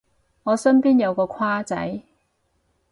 我身邊有個跨仔